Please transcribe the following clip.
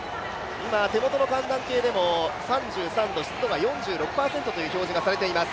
今、手元の寒暖計でも３３度、湿度は４６％という表示がされています。